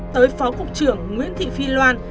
tới phó cục trưởng nguyễn thị phi loan